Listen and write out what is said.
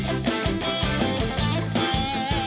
เฮ้ย